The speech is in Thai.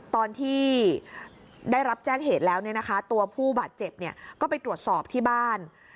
ตอนที่ได้รับแจ้งเหตุแล้วตัวผู้บาดเจ็บก็ไปตรวจสอบที่บ้าน